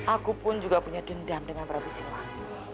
aku pun juga punya dendam dengan prabu silah